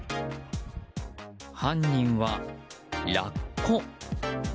犯人はラッコ。